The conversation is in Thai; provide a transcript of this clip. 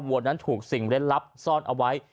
วัวนั้นถูกสิ่งเล่นลับซ่อนเอาไว้